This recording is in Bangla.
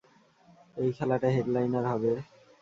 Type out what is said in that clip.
এই খেলাটা হেডলাইনার হবে।